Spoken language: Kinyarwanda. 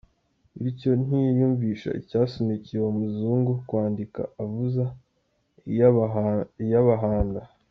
Bityo ntiyiyumvisha icyasunikiye uwo muzungu kwandika avuza iyabahanda.